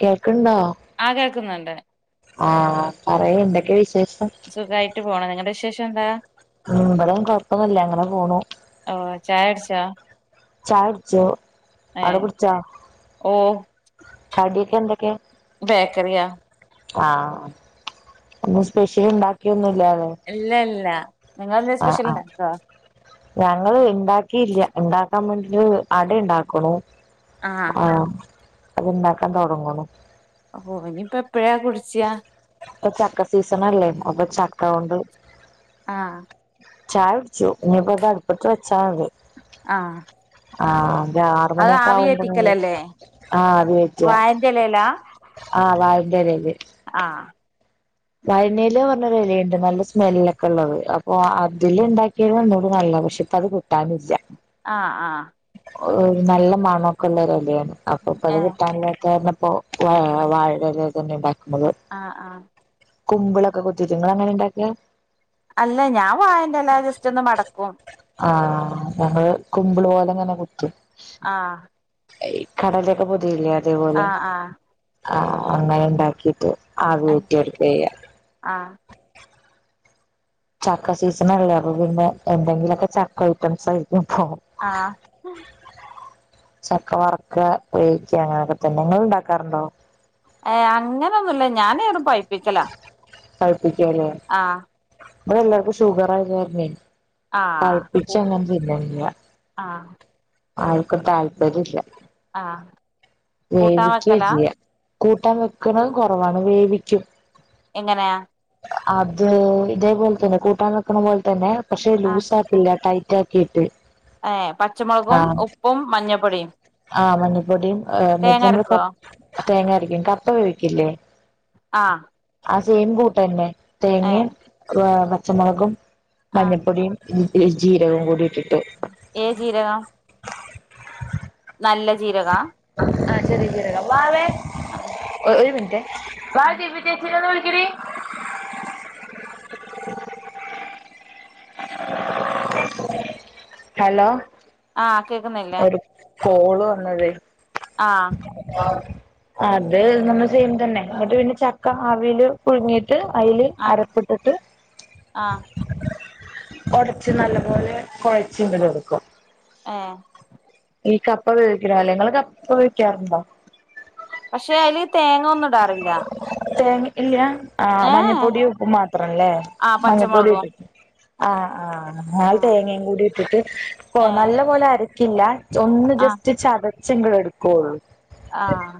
കേൾക്കണ്ടോ ആ കേൾക്കുന്നുണ്ട് ആഹ് പറയാ എന്തൊക്കെ വിശേഷം. സുഖമായിട്ട് പോണം നിങ്ങളുടെ വിശേഷം എന്താ മുമ്പലം കൊഴപ്പൊന്നല്ല അങ്ങനെ പോണു ച്ച ചായുടച്ചു. ഏഹ് ഓ കടിയൊക്കെ എന്തൊക്കെയാ ബേക്കറിയ ആഹ് ഇന്ന് സ്പെഷ്യലണ്ടാക്കിയന്ന ഇല്ല ഇല്ല. നിങ്ങളെന്തേ ആഹ് സ്പെഷ്യൽ ആഹ് ഉണ്ടാക്കോ ഞങ്ങള് ഇണ്ടാക്കിയില്ല ഇണ്ട [unintelligible] അട ഇണ്ടാക്കുണു ആഹ്. അത് ഇണ്ടാക്കാൻ തൊടങ്ങണു ഓ ഇനിയിപ്പ എപ്പഴാ കുടിച്ചിയാ. ഇപ്പൊ ചക്ക സീസണല്ലേ അപ്പൊ ചക്ക കൊണ്ട് ആഹ്. ചായുടിച്ചു ഇന്നിപ്പിത് അടുപ്പത്ത് വെച്ചാതി. ആഹ് ആ ആരാറ് മണിയൊക്കെ ആവുമ്പോ ആവി കെറ്റുവ വാഴന്റെ ഇലയിലാ ആഹ് വാഴന്റെലെല്. ആ വയനയില പറഞ്ഞൊരു ഇലയുണ്ട് നല്ല സ്മെല്ലൊക്കെ ഉള്ളത് അപ്പൊ അതില് ണ്ടാക്കിയ ഒന്നുടെ നല്ല പക്ഷെ പ്പത് കിട്ടാനില്ല. ആഹ് ആ. ഓ നല്ല മണൊക്കെള്ളരു ഇലണ് അപ്പൊ ഇപ്പ അത് ഏ കിട്ടാനില്ലാത്താരണം വാഴേലെല് തന്നെ ആഹ് ആ. കുമ്പളൊക്കെ കൊത്തീട്ട് ങ്ങളങ്ങനെണ്ടാക്ക. അല്ല ഞാൻ വായന്റെല്ല ജസ്റ്റ് ഒന്ന് മടക്കും. കൊമ്പിൾ പോലെങ്ങനെ കുത്തും. ആഹ് ഈ കടലയൊക്കെ പൊതിയൂലെ ആഹ് ആഹ്. ആഹ് അങ്ങനെണ്ടാക്കിട്ട് ആവി കേറ്റി എടുക്കയ്യ. ആ ചക്ക സീസൺല്ലേ അപ്പ പിന്നെ എന്തെങ്കിലൊക്കെ ചക്ക ഐറ്റംസ് ആയി ആഹ്. ചക്ക വറക്ക വേവിക്ക അങ്ങനൊക്കെതന്നെ ങ്ങള് ഇണ്ടാക്കാറുണ്ടോ? ഏയ് അങ്ങനൊന്നുല്ല ഞാനിവിടെ പയിപ്പിക്കല പായിപ്പിക്കുംയല്ലേ ഇവിടെ എല്ലാവർക്കും ഷുഗർയായത് കാരണ ആ പഴപ്പിച്ചങ്ങനെ തിന്നലില്ല ആ ആൾക്കും താല്പര്യമില്ല ആഹ് വേവിക്കകയും ചെയ്യാം കൂട്ടാൻ വെക്കണതും കൊറവാണ് വേവിക്കും. എങ്ങനെയാ. അത് ഇതേപോലെ തന്നെ കൂട്ടാൻ വെക്കണ പോലെ തന്നെ പക്ഷേ ലൂസ് ആക്കില്ല ടൈറ്റ് റ്റാ [unintelligible] ക്കിയിട്ട്. ഏയ് പച്ചമുളകും ഉപ്പും മഞ്ഞപ്പൊടിയും ആഹ് മഞ്ഞപ്പൊടിം തേങ്ങ മറ്റെനമ്മള് അരക്കോ തേങ്ങരിക്കുംകപ്പ വേവിക്കില്ലേ. ആഹ് ആ സെയിം കൂട്ട് തന്നെ തേങ്ങയും ഏഹ് പച്ചമുളകും ആഹ് മഞ്ഞപ്പൊടിയും ഇഞ്ചി ജീരകവും കൂടിയിട്ട് ഏത് ജീരകം [inaudible] നല്ല ജീരകാവാ ആ ചെറിയജീരകം ആഹ് ആഹ് [unintelligible] ഹലോ ആഹ് കേക്കുന്നില്ലേ. ഒരു കോള് വന്നതേ ആഹ് അത് നമ്മള് സെയിം തന്നെ എന്നിട്ട് പിന്നെ ചക്ക അവില് പുഴുങ്ങീ ട്ട് അയില് ആഹ് അരപ്പിട്ടിട്ട് ആഹ് ഒടച്ച് നല്ല പോലെ കൊഴച്ച് ഇങ്ങട് കൊടുക്കും ആഹ് ഇനി കപ്പ വേവിക്കണാലെ ഇങ്ങള് കപ്പ വേവിക്കാറുണ്ടോ? പക്ഷെ അയില് തേങ്ങൊന്നു ഇടാറില്ല തേങ്ങ ഇല്യ ആ ഏഹ് മഞ്ഞപ്പൊടിയും ഉപ്പും മാത്രല്ലേ ആഹ് മഞ്ഞപ്പൊടി ഇട് പച്ചമുളകും ആഹ് ആഹ് ആഹ് അത് ഉം തേങ്ങയും കൂടി ഇട്ടിട്ട് കൊ ഏഹ് നല്ല പോലെ അരക്കില്ല ഒന്ന് ആഹ് ജസ്റ്റ് ചത ച്ചിങ്കെടുക്കോള്ളു ആഹ്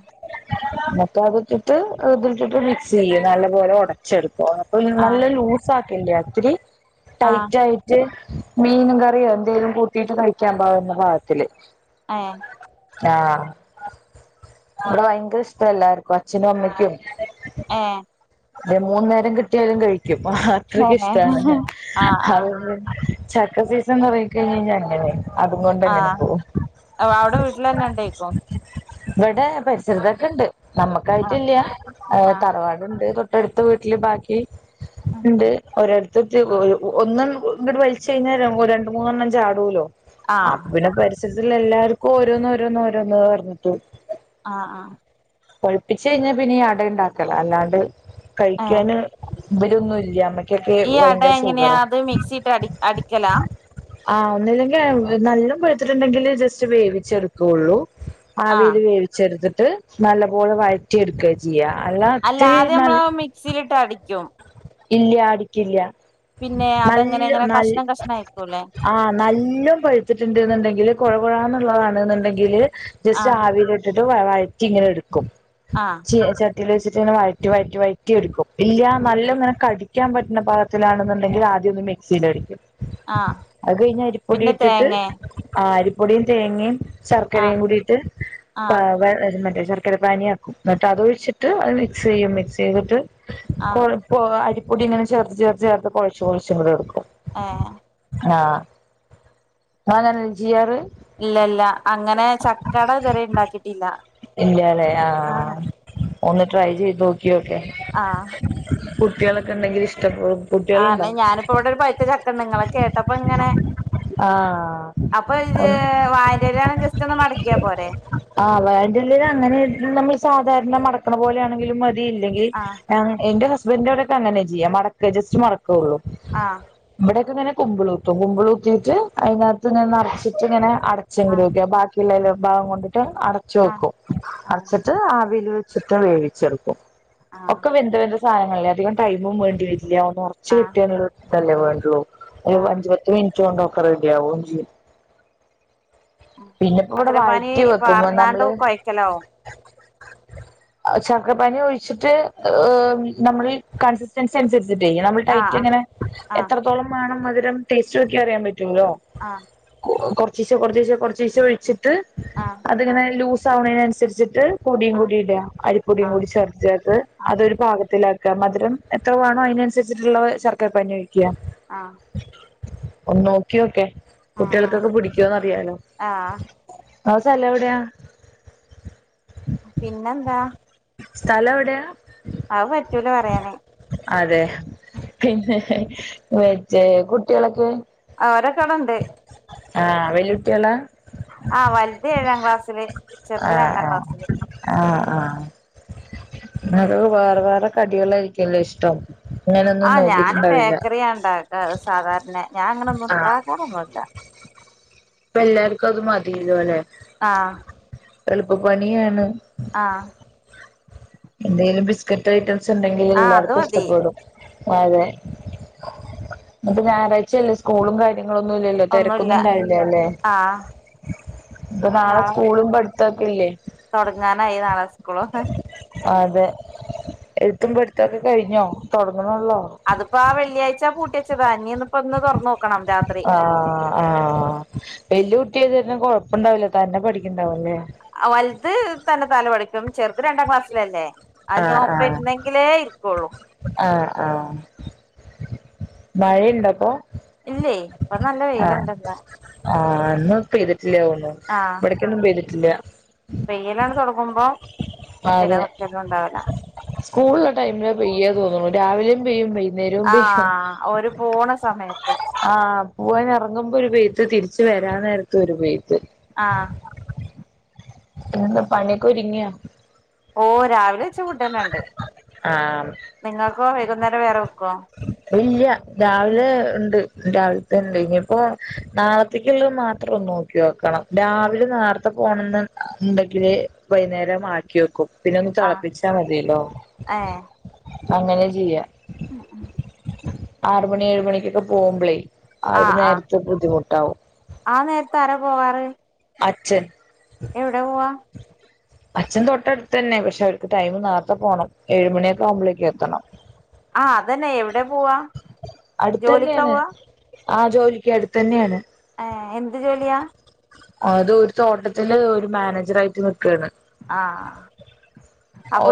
ന്നട്ട് അത്ട്ടിട്ട് ഇതിലിട്ടിട്ട് മിക്സ് ചെയ്യ നല്ലപോലെ ഒടച്ചെടുക്ക പോന്നപ്പം പിന്നെ ആഹ് നല്ല ലൂസ് ആക്കണ്ട ത്തിരി ആഹ് ടൈറ്റ് ആയിറ്റ് മീനും കറിയോ എന്തേലും കൂട്ടീട്ട് കഴിക്കാൻ പാവുന്ന പാകത്തില് ഏഹ് ആഹ് ഇബടെ ഭയങ്കര ഇഷ്ടാ എല്ലാർക്കും അച്ഛനും അമ്മയ്ക്കും ഏഹ് ദെ മൂന്ന് നേരം കിട്ടിയാലും കഴിക്കും അത്രക്ക് ഇഷ്ടാണ് ആഹ് ആഹ് അതുകൊണ്ട് ചക്ക സീസൺ തൊടങ്ങി കഴിഞ്ഞഴിഞ്ഞാ അങ്ങനെ അതുകൊണ്ടെങ്ങനെ ആഹ് പോവു അവിടെ വീട്ടിലന്നെ ഇണ്ടേക്കും ഇബടെ പരിസരത്തൊക്കെണ്ട് ആഹ് നമ്മുക്കായിട്ടില്ല ആഹ് തറവാടുണ്ട് തൊ ട്ടടുത്ത വീട്ടില് ബാക്കി ആഹ് ഉണ്ട് ഓരോരു ത്തിട്ട് ഒരു ഒന്നൊന്നു ഇങ്ങട് വലിച്ചഴിഞ്ഞാ രണ്ട് മൂന്നെണ്ണം ചാടോലോ അപ്പം ആഹ് പിന്നെ പരിസരത്തിള്ള എല്ലാർക്കും ഓരോന്ന് ഓരോന്ന് ഓരോന്ന് പറഞ്ഞിട്ട് ആഹ് ആഹ് പൊഴ്പ്പിച്ച് കഴിഞ്ഞാ പിന്നെ അട ഇണ്ടാക്കല അല്ലാണ്ട് ഏഹ് കഴിക്കാന് ഇബരൊന്നുല്ല്യ [unintelligible] ഈ അട എങ്ങനെയാ അത് മിക്സിട്ട് അടി അടിക്കല ആ ഒന്നില്ലെങ്കി വ് നല്ലോം പഴുത്തിട്ടുണ്ടെങ്കില് ജസ്റ്റ് വേവിച്ചെടുക്കോള്ളൂ ആഹ് ആവില് വേവിച്ചെടുത്തിട്ട് നല്ലപോലെ വഴറ്റി എടുക്കാ ചെയ്യ അല്ല ആദ്യം നമ്മളാ മിക്സിലിട്ട് അടിക്കും ഇല്ല അടിക്കില്ല്യ പിന്നെ അതെങ്ങനെ നല്ലോ ഇങ്ങനെ നൽ കഷ്ണം കഷ്ണം ആയിക്കൂല്ലേ ആഹ് നല്ലോം പഴത്തിട്ട്ണ്ട്ന്ന്ണ്ടെങ്കില് കുഴ കുഴാന്ന് ള്ളതാണ്ന്ന്ണ്ടെങ്കില് ജസ്റ്റ്‌ ആഹ് ആവിലിട്ടിട്ട് വാ വഴറ്റി ഇങ്ങനെ എടുക്കും ആഹ് ചീനചട്ടീ ല് വെച്ചിട്ടിങ്ങനെ വയറ്റി വഴറ്റി വഴറ്റി എടുക്കും ഇല്ല്യ ഉം നല്ലൊ ഇങ്ങനെ കടി ക്കാൻ പറ്റുന്ന പാഗത്തിലാണെന്നുണ്ടെങ്കില് ആദ്യോന്ന് മിക്സീലടിക്കും. ആഹ് അത് കഴിഞ്ഞ അരിപ്പൊടി പിന്നെ ഇട്ടിട്ട് തേങ്ങേ ആരി പൊടിയും തേങ്ങയും ശർക്കരയും ആഹ് കൂടിട്ട് ആഹ് [unintelligible] ശർക്കര പാനിയാക്കും എന്നിട്ട് അത് ഒഴിച്ചിട്ട് അത് മിക്സെയ്യും മിക്സ് ചെയ്തിട്ട് ആഹ് കൊഴപ്പൊ അരിപ്പൊടി ഇങ്ങനെ ചെർത്ത് ചെർത്ത് ചേർത്ത് കൊഴച്ച് കൊഴച്ച് കൂടെ എടുക്കും ആഹ താനൻജിയറ് ഇല്ല ഇല്ല അങ്ങനെ ചക്കട ഇതുവരെ ഇണ്ടാക്കിട്ട ഇല്ല്യാലേ ആഹ ഒന്ന് ട്രൈ ചെയ്തുോ ഓക്കെ ആഹ് കുട്ടികളൊക്കെ ഉണ്ടെങ്കിൽ ഇഷ്ട ആ ന്നാ ഞാനിപ്പോ ഇവിടെ ഒരു പൈത്ത ചക്കണ്ട് ഇങ്ങളെ കേട്ടപ്പ ഇങ്ങനെ ആഹ് അപ്പൊ ഇത് ഒന്ന് വായന്റെലയാണ് ജസ്റ്റ് ഒന്ന് മടക്കിയാ പോരെ ആഹ് വേണ്ടില്ലേല് അങ്ങനെ നമ്മള് സാധാരണ മടക്കണ പോലെയാണെങ്കിലും മതി ഇല്ലെങ്കിൽ ആഹ് എന്റെ ഹ സ്ബന്റൊടൊക്കെ അങ്ങന ചെയ്യാ മടക്ക ജസ്റ്റ് മടക്കുള്ളൂ ആഹ് ഇവിടൊക്കെങ്ങനെ കുമ്പുളൂത്ത് കുമ്പുളൂ റ്റ് റ്റ് അയിനാട്ത്ത് ഇങ്ങനെ നറച്ചിട്ടിങ്ങനെ അടച്ചെ ആഹ് [unintelligible] ബാക്കിള്ളേല് ഭാഗംകൊണ്ട് ട്ട് അടച്ച് ആഹ് വെക്കും ആഹ് അടച്ചിട്ട് ആവില് വെച്ചിട്ട് വേവിച്ചെടുക്കും ആഹ് ഒക്കെ വെന്ത് വര്ണ സാനങ്ങളല്ലേ അധികം ടൈമും വേണ്ടി വരില്ല ഒന്ന് ഒറച്ച് ആഹ് കിട്ടിയാല്. അല്ലെ വേണ്ടേള്ളൂ ഒരു ആഹ് അഞ്ച് പത്ത് മിൻറ്റോണ്ട് ഒക്ക റെഡി ആവും ചെയ്യും പിന്നെപ്പോ ഇവിടെ വഴറ്റി ഹെലോ അ ചക്കപ്പാനി ഒഴിച്ചിട്ട് നമ്മളി ഈ കൺസിസ്റ്റൻസി അനുസരി ച്ച് ചെയ്യണം നമ്മള് ടൈറ്റ് ആഹ് ഇങ്ങനെ ആഹ് എത്രത്തോളം വേണം മധുരം ടേസ്റ്റ് നോക്കിയ അറിയാൻ പറ്റും റ്റുല്ലോ ആഹ് കൊ കൊർച്ചീച്ച കൊർച്ചീച്ച കൊർച്ചീച്ച ഒഴിച്ചിട്ട് ആഹ് അതിങ്ങനെ ലൂസ സാവ്ണെനൻസരിച്ചിട്ട് പൊടിയും ആഹ് കൂട്ടി ഇട് അരിപ്പൊടിയും കൂടി ചേർ ചേർത്ത് ആഹ് ആഹ് അതൊരു പാകത്തിലാ ക്ക് മധ് രം എത്ര വേണോ അയി നൻസരിച്ചിട്ടുള്ള ശർക്കര പാനി ഒഴിക്ക് ആ ഒന്ന് നോക്കിയോക്കെ ആഹ് ആഹ് ആഹ് കുട്ടിൾക്കൊക്കെ പിടിക്കൊ ന്നറിയാലോ ആഹ് ങ്ങള സെലവിടെയാ പിന്നെന്താ സ്ഥല എവിടെയാ അയ് പറ്റൂല പറയാന് അതെ പിന്നെ [unintelligible] കുട്ടിളൊക്കെ അവരക്കടണ്ട് ആ വെല്ലുട്ടിള ആ വലുത് ഏഴാം ക്ലാസ്സില് ചെറുത് രണ്ടാം ക്ലാസ്സില് ആ അലോ വേറെ വേറെ കടിളെര് ക്കല്ലെ ഇഷ്ടം ആ ഇങ്ങനൊന്നും ഞാന് നോക്കിട്ടുണ്ടാവില്ല ബേക്കറിയാ ഇണ്ടാക്ക സാധാരണ ഞാനങ്ങനെ ഒന്നും ഇണ്ടാക്കാറൊന്നുല്ല ഇപ്പ എല്ലാർക്കു അത് മതിലോല്ലെ ആ എളുപ്പ പണിയാണ് ആ എന്തേലും ബിസ്ക്കറ്റ് ഐറ്റംസ് ഉണ്ടെങ്കില് ആഹ് അത് എല്ലാർക്കും മതി ഇഷ്ടപ്പെടും അതെ ഇപ്പ ഞായറാഴ്ച്ചല്ലേ സ്കൂളും കാര് ങ്ങളൊന്നുല്ലല്ലോ ഒന്നുല്ല തെരക്കൊന്നും ഇണ്ടാവില്ലാല്ലേ ആഹ് ഇപ്പൊ നാളെ സ്കൂളും പഠിപ്പ് ത്തക്കെല്ലി തൊടങ്ങാനായി നാളെ സ്കൂള് അതെ എഴുത്തുമ്പടുത്തൊക്കെ കഴിഞ്ഞോ തൊട അത്പ്പോ ആ വെള്ളിഴ്ച പൂട്ടിച്ചത ഇഞ്ഞിന്ന് ഇപ്പ ഇന്ന് തൊർ ന്നൊക്കണം ആ ആ വല്ല്യ കുട്ടിയായത്കാരണം കൊഴപ്പുണ്ടാവുല തന്നെ പഠിക്ക് ണ്ടാവല്ലേ അ വൽത് തന്നെ താല പഠിക്കും ഇത് രണ്ടാം ക്ലാസ്സിലല്ലേ അയ് ഞാൻ ഒപ്പ ഇര്ന്നെങ്കിലേ ഇരിക്കൊള്ളൂ ആ ആ മഴയുണ്ടപ്പോ ഇല്ലേ ഇപ്പ നല്ല വെയില് ഇണ്ട്ന്ന് ആ ഇന്നു പെയ്തിട്ടില്ലോണു ആഹ് ഇവിട് ക്കൊന്നും പെയ്തിട്ടില്ല പെയ്യലാണ് തൊടങ്ങുമ്പ പിന്നെ നിക്കലുണ്ടാവൂല സ്കൂൾ ഇള്ള ടൈം ലാ പെയ്യ തോന്നുണു രാവിലെയും പെയ്യും വൈ ന്നേരവും പെയ്യും ആഹ് ഓര് പോണ സമയത്ത് ആ പോവാൻ ഇറങ്ങുമ്പോ ഒരു പെയ്ത്ത് തിരിച്ച് വരാൻ നേരത്ത് ഒരു പെയ്ത്ത് ആ പിന്നെ എന്താ പണിയൊക്കെ ഒ രുങ്ങിയോ ഓ രാവിലെ [unintelligible] ആഹ് നിങ്ങൾ ഇല്ല രാവിലെ ഇണ്ട് രാവിലെതന്നെ കഴിഞ്ഞ് ഇനിയിപ്പോ നാളത്തേക്ക്ള്ള മാത്രം ഒന്ന് നോക്കി വെക്കണം രാവിലെ നേർത്തെ പോണംന്ന് ഇണ്ടെങ്കില് വൈന്നേരം ആക്കി വെക്കും പിന്നെ ഒന്ന് ആഹ് തെളാപ്പിച്ചാ മതിയല്ലോ അങ്ങനെ ചെയ്യാ ഉം ഉം ആറ് മണി ഏഴ് മണിക്കൊക്കെ പോകുവമ്പളേ ആ ഒര് ആഹ് ആഹ് നേരത്തെ ബുദ്ധിമുട്ടാവും ആ നേരത്ത് ആരാ പോവാറ് അച്ഛൻ എവടെയാ പോവാ അച്ഛൻ തൊട്ടടുത്ത് തന്നെ പശെ അവരക്ക് ടൈം നോർത്തേ പോണം ഏഴ്മണി മ്പാളേക്കും എത്തേണം അതയെന്നെ എവടെയാ പോവാ അട്ത്ത് ജോലിക്കാ അന്നെയാണ് പോവാ ആ ജോലിക്ക് അട്ത്ത് അന്നെയാണ് യെ എന്ത് ജോലിയാ അത് ഒര് തോട്ടത്തില് ഒര് മാനേജർ ആയിട്ട് നിക്കാണ് ആാ ഓ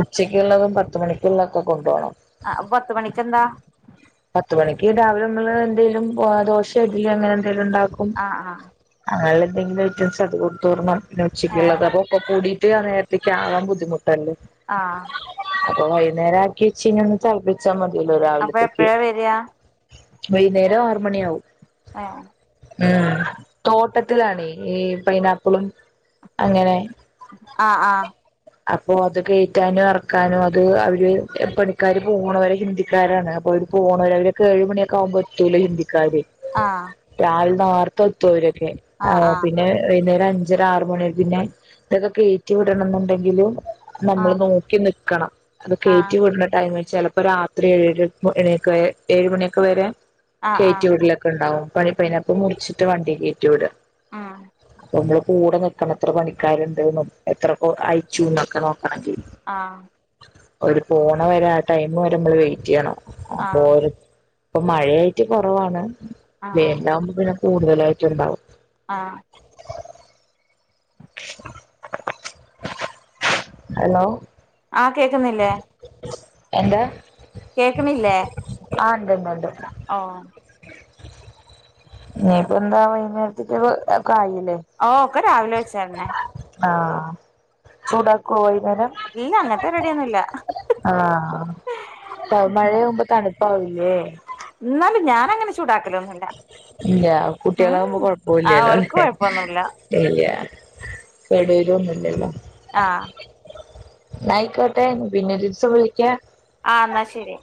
ഉച്ചക്കൊള്ളതും പത്ത് മണിക്കൊള്ളാ ഓക്കേ കൊണ്ട് പോണം ആ പത്ത് മണിക്കേന്താ പത്ത് മണിക്ക് രാവലെ നമ്മള് എന്തെലും ആ ദോശായെ ഇഡ്ഡലിയൊ അങ്ങനെ എന്തോലും ണ്ടാക്കും ആഹ് ആഹ് അങ്ങനെയോള്ളാ എന്തെങ്കിലും ഐറ്റംസ് ഓക്കേ കൊട്ത്ത് വിടണം പിന്നെ ഏഹ് ഉച്ചോയോള്ളത് അപ്പൊ ഒക്കെ കൂടിയിട്ട് ആ നേരത്തേക്ക് ആവാൻ ബുദ്ധിമുട്ട ആാ അപ്പൊ വൈകുന്നേരം ആക്കി വെച്ചിനാ ഒന്ന് തെളപ്പിച്ചാ മതിയല്ലോ അപ്പൊ രാവലത്തെ യെ എപ്പഴാ വരിക വൈക്ന്നേരം ആറ് മണിയാവും ഏഹ് ആാവും ഉം തോട്ടത്തിലാണേ ഈ പൈനാപ്പിളും അങ്ങനെ ആാ ആാ അപ്പോ അത് കേറ്റാനും എറക്കാനും അത് അവര് പണിക്കാര് പോണവരെ ഹിന്ദിക്കാരാണ് അപ്പോ ഓര് പോണവര് അവരൊക്കെ ഏഴ്മണിയൊക്കെ ആകുമ്പോഴ്ത്തൂല്ലോ ഹിന്ദിക്കാര് രാവലെ നർത്തേ എത്തു അവര് [unintelligible] ആ ആഹ് ആഹ് പിന്നെ വൈ അഞ്ചരാ ആറ് മണി പിന്നെ ഇതൊക്കെ കേറ്റി വിടണം എന്നോണ്ടെങ്കില് നമ്മള് ആഹ് നോക്കി നി ക്കാണം അത് ആഹ് കേറ്റി വിട്ന്നാ ടൈമില് ചെലപ്പോ രാത്രി ഏഴ് [unintelligible] ഏഴുമണിയൊക്കെ വെരെ ആഹ് ആഹ് ആഹ് കേറ്റിവിടെലൊക്കെ ഇണ്ടാവും [unintelligible] മുറിച്ച് ട്ട വണ്ടി കേറ്റി വിടാ ആാ നമ്മള് കൂടെ നിക്കണം എത്ര പണിക്കാരോണ്ട് എത്ര പേ അയച്ചുന്നോക്കെ നേ ആാ ഒര് പോണേ വെരെ ആ ടൈം വെരെ നമ്മള് വെയിറ്റ് ചെയ്യാണാം [unintelligible] ആഹ് ഇപ്പം മഴയായിട്ട് കൊറവാണ് ആഹ് വേനാവുമ്പാഴാ കൂട്തലായിട്ടും ഒണ്ടാവ്യാ ആാ ഹലോ ന്നില്ലോ എന്താ കേക്കാണില്ലോ ആാ ഇണ്ട് ഇണ്ട് ഇണ്ട് ഓ ഇനി ഇപ്പം എന്താ വൈന്നേരത്തേക്ക് [unintelligible] ഓ ഒക്കെ രാവലെ വെച്ചോന്നേ ആാ ചൂടാ [unintelligible] ഇല്ലാ അങ്ങത്തെ റെഡിയെ ആാ അ മഴയാവുമ്പോ തണ്പ്പാവുല്ലേ ഞാന് അങ്ങനെ ചൂടാക്കലൊന്നു ഇല്ലാ ഇല്ല്യാ കുട്ടിളാവുമ്പോ കൊഴപ്പോയില്ല അല്ലോ അവർക്ക് കൊഴപ്പൊന്നുമില്ല ഇല്ല്യാ ചാടിലൊന്നില്ലല്ലോ ആ ആയിക്കോട്ടെ പിന്നോരീസം വിളിക്കാം ആ എന്നാ ശരി